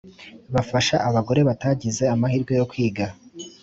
Bafasha abagore batagize amahirwe yo kwiga